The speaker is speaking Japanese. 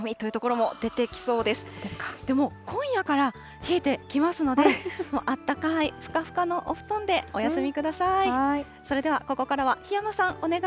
もう今夜から冷えてきますので、あったかいふかふかのお布団でお休みください。